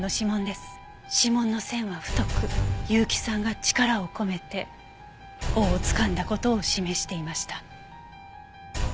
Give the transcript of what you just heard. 指紋の線は太く結城さんが力を込めて尾をつかんだ事を示していました。